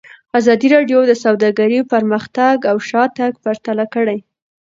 ازادي راډیو د سوداګري پرمختګ او شاتګ پرتله کړی.